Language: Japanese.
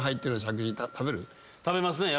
食べますね。